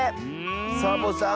サボさん